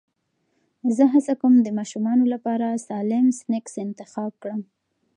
زه هڅه کوم د ماشومانو لپاره سالم سنکس انتخاب کړم.